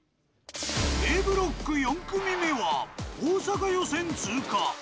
Ａブロック４組目は大阪予選通過。